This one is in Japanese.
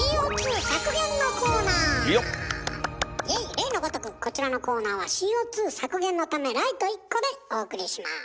例のごとくこちらのコーナーはＣＯ削減のためライト１個でお送りします。